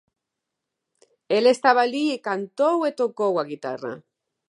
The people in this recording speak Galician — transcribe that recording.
El estaba alí e cantou e tocou a guitarra.